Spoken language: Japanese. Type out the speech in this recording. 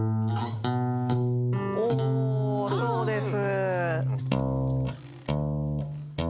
そうです。